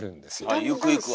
ゆくゆくは。